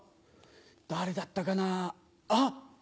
誰だったかなあっ！